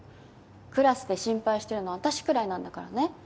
クラスで心配してるの私くらいなんだからね。